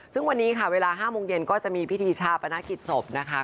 ซึ่งวันนี้ค่ะเวลา๕โมงเย็นก็จะมีพิธีชาปนกิจศพนะคะ